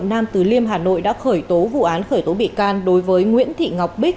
nam từ liêm hà nội đã khởi tố vụ án khởi tố bị can đối với nguyễn thị ngọc bích